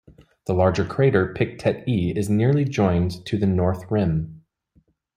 The larger crater Pictet E is nearly joined to the north rim.